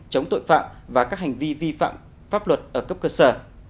chống tội phạm và các hành vi vi phạm pháp luật ở cấp cơ sở